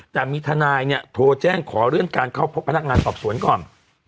แต่มีทนายเนี่ยโทรแจ้งขอเลื่อนการเข้าพบพนักงานสอบสวนก่อน